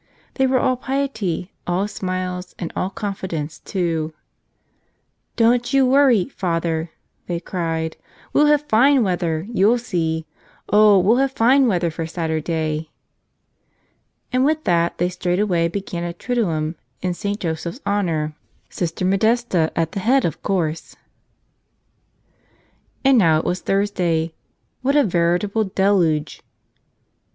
They were all piety, all smiles, and all confidence, too. "Don't you worry, Father," they cried. "We'll have fine weather; you'll see. Oh, we'll have fine weather for Saturday." And with that they straightway began a triduum in St. Jo¬ seph's honor, Sister Modesta at the head, of course. And now it was Thursday. What a veritable deluge